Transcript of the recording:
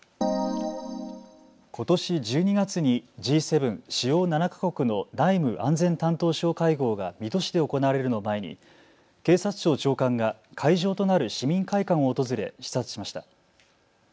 ことし１２月にＧ７・主要７か国の内務・安全担当相会合が水戸市で行われるのを前に警察庁長官が会場となる市民会館を訪れ視察しました。